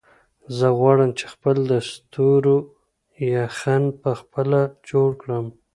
زه غواړم چې خپل د ستورو یخن په خپله جوړ کړم.